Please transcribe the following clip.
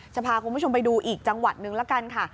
จะพาคุณผู้ชมไปดูอีกจังหวัดนึงละกันค่ะ